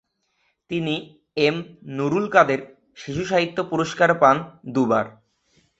তিনি এম নুরুল কাদের শিশুসাহিত্য পুরস্কার পান দু'বার।